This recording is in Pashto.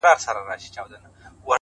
عاجزي د درناوي ریښې ژوروي!